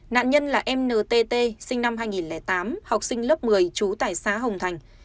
nạn nhân là em ntt sinh năm hai nghìn tám học sinh lớp một mươi trú tại xã hồng thành